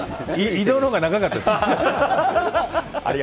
移動のほうが長かったです。